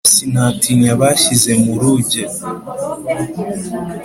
Sinatinya abashyize mu ruge